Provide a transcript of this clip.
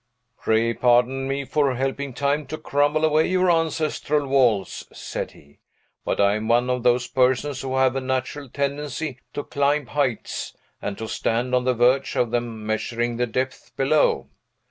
"Pray pardon me for helping Time to crumble away your ancestral walls," said he. "But I am one of those persons who have a natural tendency to climb heights, and to stand on the verge of them, measuring the depth below.